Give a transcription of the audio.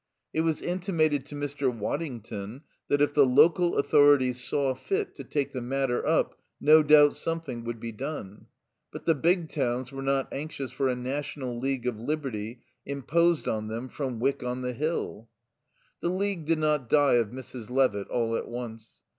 It was intimated to Mr. Waddington that if the local authorities saw fit to take the matter up no doubt something would be done, but the big towns were not anxious for a National League of Liberty imposed on them from Wyck on the Hill. The League did not die of Mrs. Levitt all at once.